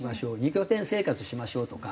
２拠点生活しましょうとか。